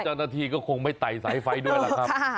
เจ้าหน้าที่ก็คงไม่ไต่สายไฟด้วยล่ะครับ